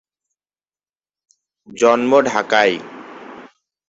জন্ম ঢাকায়।